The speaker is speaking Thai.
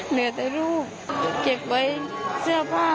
เหนือแต่รูปเก็บไว้เสื้อผ้าเขาค่ะ